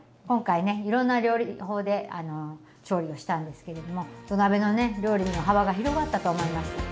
今回ねいろんな料理法で調理をしたんですけれども土鍋の料理の幅が広がったと思います。